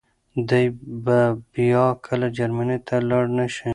دی به بيا کله جرمني ته لاړ نه شي.